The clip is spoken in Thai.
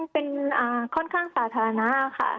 เป็นค่อนข้างสาธารณะค่ะ